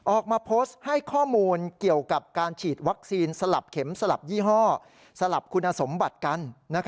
ออกมาโพสต์ให้ข้อมูลเกี่ยวกับการฉีดวัคซีนสลับเข็มสลับยี่ห้อสลับคุณสมบัติกัน